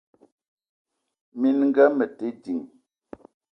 Minga mete ding.